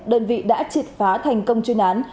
đơn vị đã trịt phá thành công chuyên án